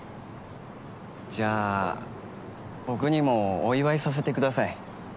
じゃあ僕にもお祝いさせてください。